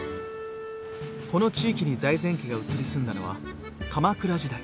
この地域に財前家が移り住んだのは鎌倉時代。